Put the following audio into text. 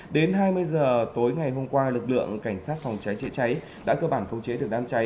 đến hai mươi h tối ngày hôm qua lực lượng cảnh sát phòng cháy chạy cháy đã cơ bản không chế được đám cháy